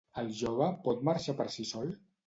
El jove pot marxar per si sol?